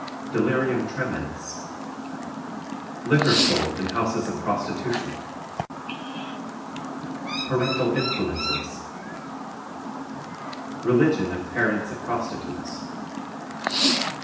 Delirium Tremens. Liquor Sold in Houses of Prostitution. Parental Influences. Religion of Parents and Prostitutes.